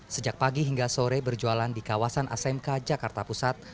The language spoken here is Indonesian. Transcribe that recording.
sejak pagi hingga sore berjualan di kawasan asmk jakarta pusat